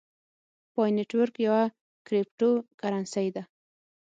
پای نیټورک یوه کریپټو کرنسۍ ده